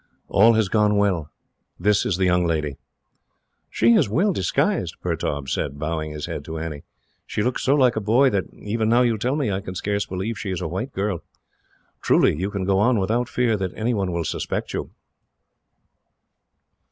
"All has gone well. This is the young lady." "She is well disguised," Pertaub said, bowing his head to Annie. "She looks so like a boy that, even now you tell me, I can scarce believe she is a white girl. Truly you can go on without fear that anyone will suspect her."